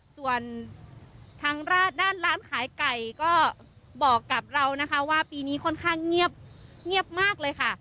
ส่วนทางด้านร้านขายไก่ก็บอกกับเรานะคะว่าปีนี้ค่อนข้างเงียบมากเลยค่ะ